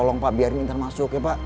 tolong pak biarin intan masuk ya pak